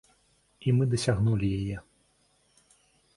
І мы дасягнулі яе!